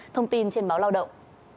thông tin trên báo lao động